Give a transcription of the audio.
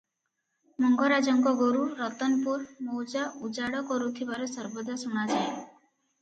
ମଙ୍ଗରାଜଙ୍କ ଗୋରୁ ରତନପୁର ମୌଜା ଉଜାଡ଼ କରୁଥିବାର ସର୍ବଦା ଶୁଣାଯାଏ ।